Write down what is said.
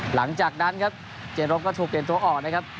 หลังจากนั้นครับเจรบก็ถูกเปลี่ยนตัวออกนะครับ